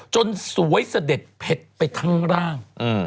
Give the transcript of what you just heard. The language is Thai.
จนสวยเสด็จเผ็ดไปทั้งร่าง